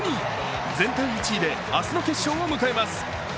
全体１位で明日の決勝を迎えます。